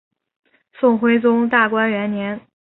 宋徽宗大观元年。